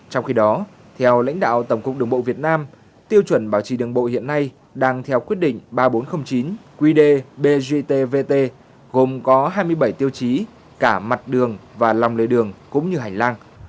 trong khi đó theo lãnh đạo tổng cục đường bộ việt nam tiêu chuẩn bảo trì đường bộ hiện nay đang theo quyết định ba nghìn bốn trăm linh chín qd bgtvt gồm có hai mươi bảy tiêu chí cả mặt đường và lòng lề đường cũng như hành lang